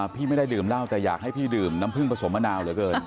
พี่ไม่ได้ดื่มเหล้าแต่อยากให้พี่ดื่มน้ำผึ้งผสมมะนาวเหลือเกิน